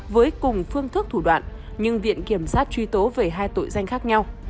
với cùng phương thức thủ đoạn nhưng viện kiểm sát truy tố về hai tội danh khác nhau